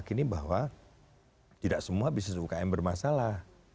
kita meyakini bahwa tidak semua bisnis ukm bermasalah